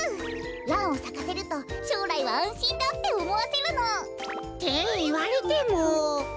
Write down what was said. ランをさかせるとしょうらいはあんしんだっておもわせるの。っていわれても。